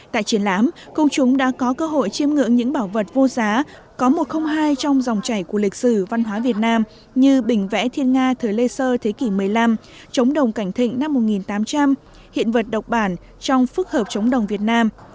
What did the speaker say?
tại triển lãm công chúng đã có cơ hội chiêm ngưỡng những bảo vật vô giá có một không hai trong dòng chảy của lịch sử văn hóa việt nam như bình vẽ thiên nga thời lê sơ thế kỷ một mươi năm trống đồng cảnh thịnh năm một nghìn tám trăm linh hiện vật độc bản trong phức hợp trống đồng việt nam